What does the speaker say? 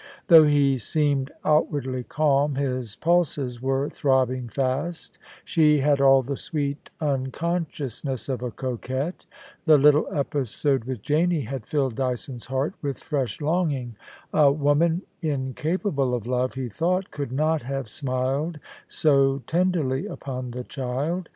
Though he seemed out wardly calm, his pulses were throbbing fast She had all the sweet unconsciousness of a coquette. The little episode with Janie had filled Dyson's heart with fresh longing. A woman incapable of love, he thought, could not have smiled so tenderly upon the child.